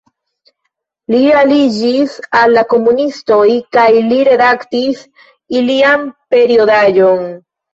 Li aliĝis al la komunistoj kaj li redaktis ilian periodaĵon.